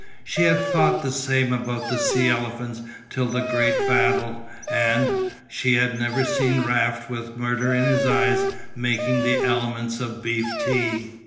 She had thought the same about the sea elephants till the great battle, and she had never seen Raft with murder in his eyes making the elements of beef tea.